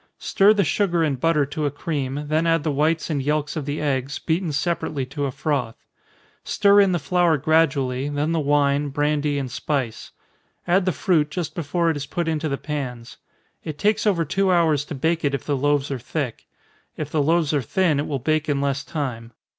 Stir the sugar and butter to a cream, then add the whites and yelks of the eggs, beaten separately to a froth stir in the flour gradually, then the wine, brandy, and spice. Add the fruit just before it is put into the pans. It takes over two hours to bake it if the loaves are thick if the loaves are thin, it will bake in less time.